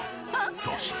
そして。